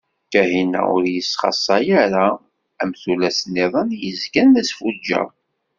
Kahina ur iyi-tesxaqay ara am tullas-niḍen i yezgan d asfuǧǧeɣ.